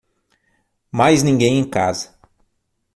Mais ninguém em casa